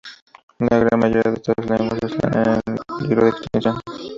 La gran mayoría de estas lenguas están en peligro de extinción.